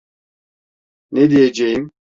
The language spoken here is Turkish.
Ne diyeceğim…